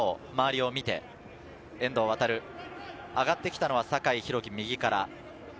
そして遠藤航、上がってきたのは酒井宏樹、右側から。